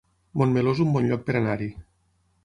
Montmeló es un bon lloc per anar-hi